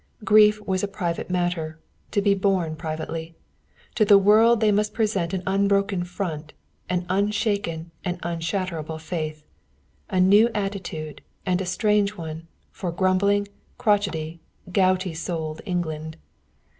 Grief was a private matter, to be borne privately. To the world they must present an unbroken front, an unshaken and unshakable faith. A new attitude, and a strange one, for grumbling, crochety, gouty souled England.